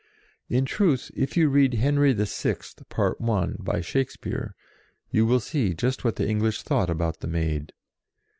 In truth, if you read Henry VI., Part I., by Shakespeare, you will see just what the English thought about the Maid.